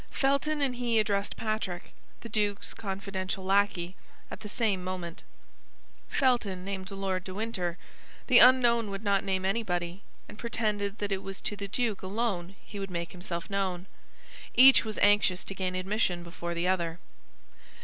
Felton and he addressed Patrick, the duke's confidential lackey, at the same moment. Felton named Lord de Winter; the unknown would not name anybody, and pretended that it was to the duke alone he would make himself known. Each was anxious to gain admission before the other.